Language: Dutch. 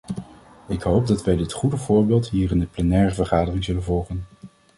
Ik hoop dat wij dit goede voorbeeld hier in de plenaire vergadering zullen volgen.